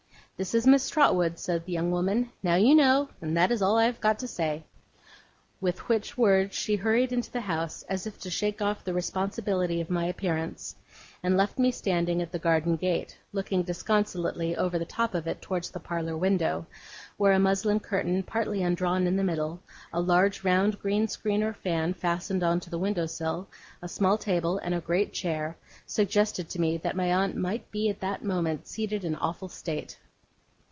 'This is Miss Trotwood's,' said the young woman. 'Now you know; and that's all I have got to say.' With which words she hurried into the house, as if to shake off the responsibility of my appearance; and left me standing at the garden gate, looking disconsolately over the top of it towards the parlour window, where a muslin curtain partly undrawn in the middle, a large round green screen or fan fastened on to the windowsill, a small table, and a great chair, suggested to me that my aunt might be at that moment seated in awful state.